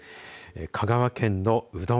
香川県のうどん